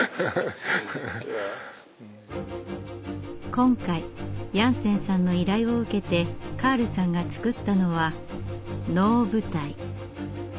今回ヤンセンさんの依頼を受けてカールさんが造ったのは能舞台。